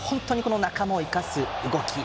仲間を生かす動き。